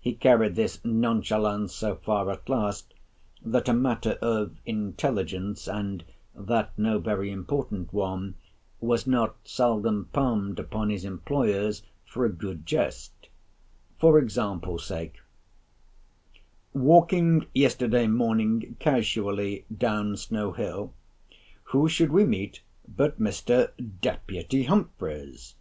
He carried this nonchalance so far at last, that a matter of intelligence, and that no very important one, was not seldom palmed upon his employers for a good jest; for example sake—"Walking yesterday morning casually down Snow Hill, who should we meet but Mr. Deputy Humphreys!